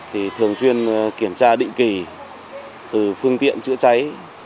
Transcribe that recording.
thì thường chuyên kiểm tra định kỳ từ phương tiện chữa cháy